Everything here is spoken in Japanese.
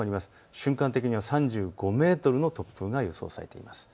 瞬間的には３５メートルの突風が予想されています。